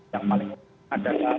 yang paling penting adalah